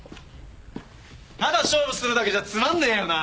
ただ勝負するだけじゃつまんねえよな！